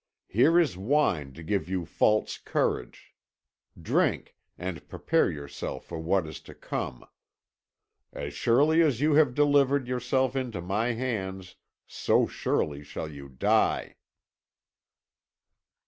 'Here is wine to give you a false courage. Drink, and prepare yourself for what is to come. As surely as you have delivered yourself into my hands, so surely shall you die!"